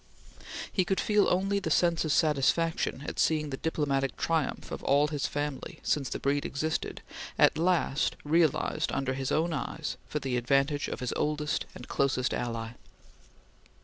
He could feel only the sense of satisfaction at seeing the diplomatic triumph of all his family, since the breed existed, at last realized under his own eyes for the advantage of his oldest and closest ally.